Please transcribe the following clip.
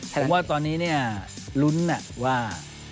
ผมว่าตอนนี้เนี่ยลุ้นว่า